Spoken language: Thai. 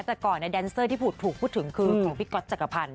แต่ก่อนแดนเซอร์ที่ถูกพูดถึงคือของพี่ก๊อตจักรพันธ